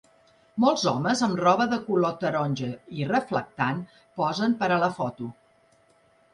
Molts homes amb roba de color taronja i reflectant posen per a la foto.